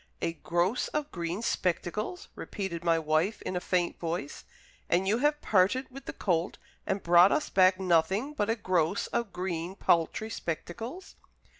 "A gross of green spectacles!" repeated my wife, in a faint voice. "And you have parted with the colt and brought us back nothing but a gross of green paltry spectacles!"